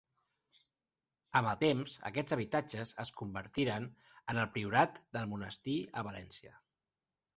Amb el temps, aquests habitatges es convertiren en el priorat del monestir a València.